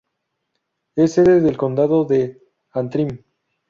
Es sede del condado de Antrim.